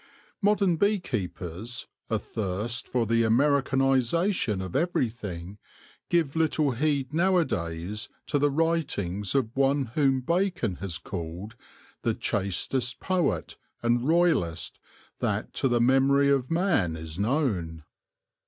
Modern bee keepers, athirst for the Amencan isation of everything, give little heed nowadays to the writings of one whom Bacon has called " the chastest poet and royalest that to the memory of man is known.'